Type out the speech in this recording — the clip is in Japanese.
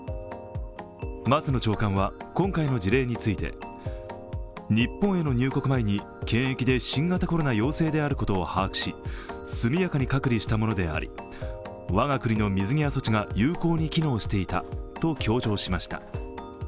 松野長官は今回の事例について、日本への入国前に検疫で新型コロナ陽性であることを把握し速やかに隔離したものであり、我が国の水際措置が有効に機能していたと強調しました。